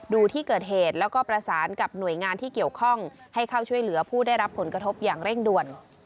ดูที่เกิดเหตุแล้วก็ประสานกับหน่วยงานที่เกี่ยวข้องให้เข้าช่วยเหลือผู้ได้รับผลกระทบอย่างเร่งด่วน